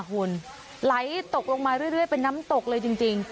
หุ่นไหลตกลงมาเรื่อยเรื่อยเป็นน้ำตกเลยจริงจริง